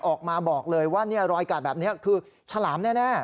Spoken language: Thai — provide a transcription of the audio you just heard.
ออกมาบอกเลยว่ารอยกาดแบบนี้คือฉลามแน่